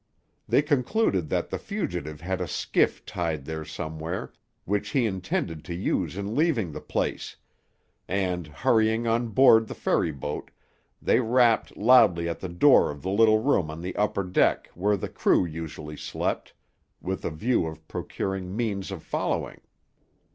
They concluded that the fugitive had a skiff tied there somewhere, which he intended to use in leaving the place, and, hurrying on board the ferry boat, they rapped loudly at the door of the little room on the upper deck where the crew usually slept, with a view of procuring means of following.